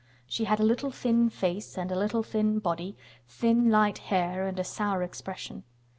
She had a little thin face and a little thin body, thin light hair and a sour expression.